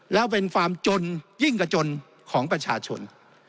แล้วเป็นความจนยิ่งกว่าจนของประชาชน